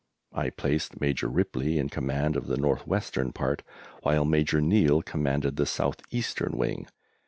I placed Major Ripley in command of the north western part, while Major Neill commanded the south eastern wing.